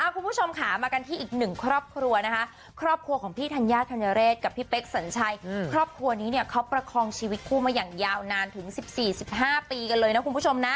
คุณผู้ชมค่ะมากันที่อีกหนึ่งครอบครัวนะคะครอบครัวของพี่ธัญญาธัญเรศกับพี่เป๊กสัญชัยครอบครัวนี้เนี่ยเขาประคองชีวิตคู่มาอย่างยาวนานถึง๑๔๑๕ปีกันเลยนะคุณผู้ชมนะ